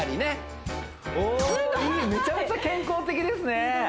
めちゃめちゃ健康的ですねねえ！